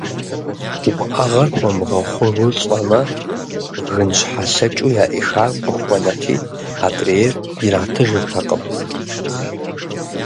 Уӏэгъэр хуэмыгъэхъужу лӏэмэ, гынщхьэлъэкӏыу яӏихар къыхуэнэти, адрейр иратыжыртэкъым.